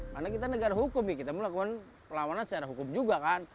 karena kita negara hukum ya kita melakukan perlawanan secara hukum juga kan